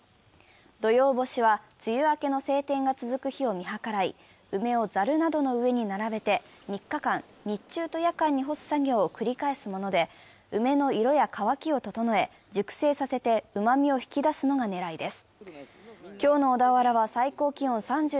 土用干しは梅雨明けの晴天が続く日を見はからい、梅をざるなどの上に並べて３日間、日中と夜間に干す作業を繰り返すもので、梅の色や乾きを整えて、熟成させてうまみを引き出すのが狙いです。